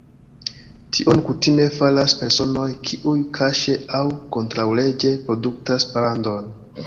Tion kutime faras personoj, kiuj kaŝe aŭ kontraŭleĝe produktas brandon.